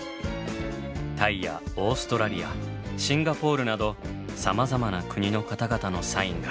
タイやオーストラリアシンガポールなどさまざまな国の方々のサインが。